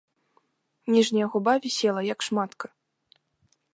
Ніжняя губа вісела, як шматка.